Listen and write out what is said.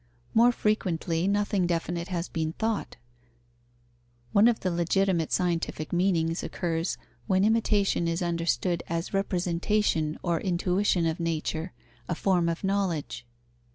More frequently, nothing definite has been thought. One of the legitimate scientific meanings occurs when imitation is understood as representation or intuition of nature, a form of knowledge.